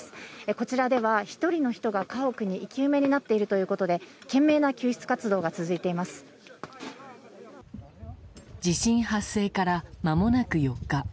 こちらでは、１人の人が家屋に生き埋めになっているということで、地震発生からまもなく４日。